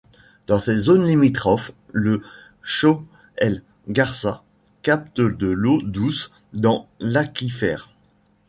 Dans ses zones limitrophes, le Chott el-Gharsa capte de l'eau douce dans l'aquifère.